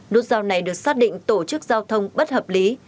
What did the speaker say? nút giao này được xác định tổ chức giao thông bất hợp lý